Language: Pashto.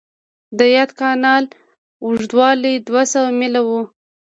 د یاد کانال اوږدوالی دوه سوه میله و.